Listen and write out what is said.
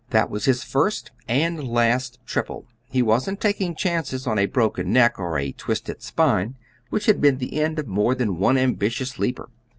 That was his first and last triple; he wasn't taking chances of a broken neck or a twisted spine, which had been the end of more than one ambitious leaper.